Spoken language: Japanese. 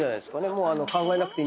もう。